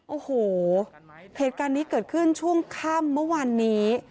โอ้โหเหตุการณ์นี้เกิดขึ้นช่วงค่ำเมื่อวานนี้